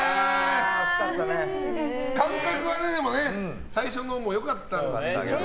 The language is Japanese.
感覚は最初のも良かったんですけどね。